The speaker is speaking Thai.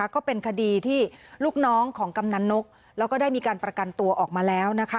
ก็เป็นคดีที่ลูกน้องของกำนันนกแล้วก็ได้มีการประกันตัวออกมาแล้วนะคะ